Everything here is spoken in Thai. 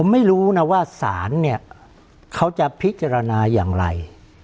ไม่รู้นะว่าศาลเนี่ยเขาจะพิจารณาอย่างไร